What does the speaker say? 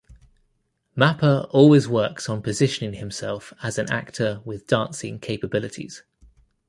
Mapa always works on positioning himself as an actor with dancing capabilities.